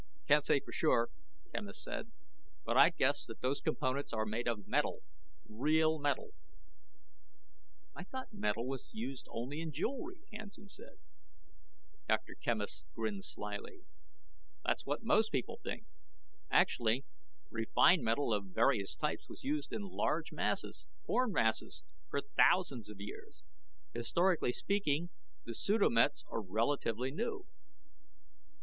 "Can't say for sure," Quemos said, "but I'd guess that those components are made of metal real metal." "I thought that metal was used only in jewelry," Hansen said. Dr. Quemos grinned slyly. "That's what most people think. Actually, refined metal of various types was used in large masses, formed masses, for thousands of years. Historically speaking, the pseudo mets are relatively new."